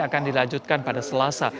akan dilanjutkan pada selasa